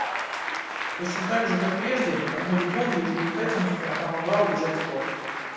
Точно так же как прежде, одною любовью и привлекательностью она могла удержать его.